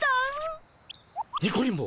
ニコリン坊